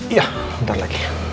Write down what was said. iya sebentar lagi